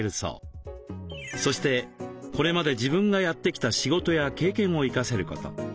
そしてこれまで自分がやってきた仕事や経験を生かせること。